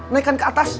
naikkan ke atas